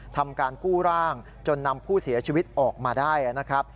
ทำการกู้ร่างจนนำผู้เสียชีวิตออกมาได้นะครับ